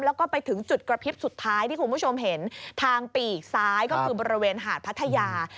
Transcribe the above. แล้วก็ไปถึงจุดกระพริบสุดท้ายที่คุณผู้ชมเห็นทางปีกซ้ายก็คือบริเวณหาดพัทยา